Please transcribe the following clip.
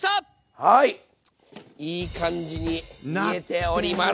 いい感じに煮えております。